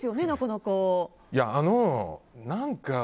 なかなか。